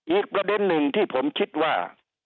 อีกประเด็นหนึ่งที่ผมคิดว่า